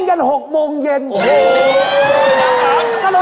จับข้าว